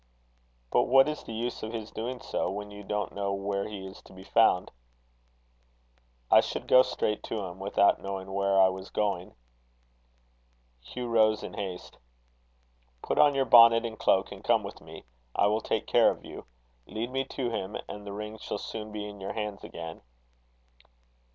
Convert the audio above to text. "But what is the use of his doing so, when you don't know where he is to be found." "I should go straight to him, without knowing where I was going." Hugh rose in haste. "Put on your bonnet and cloak, and come with me. I will take care of you. Lead me to him, and the ring shall soon be in your hands again."